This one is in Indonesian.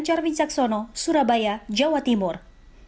dan memperhatikan nasib pekerja yang tidak mendapat thr secara utuh